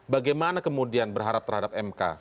bagaimana kemudian berharap terhadap mk